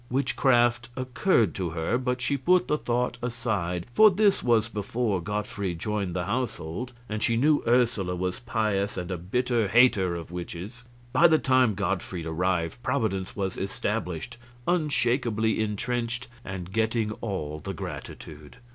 Witchcraft occurred to her, but she put the thought aside, for this was before Gottfried joined the household, and she knew Ursula was pious and a bitter hater of witches. By the time Gottfried arrived Providence was established, unshakably intrenched, and getting all the gratitude.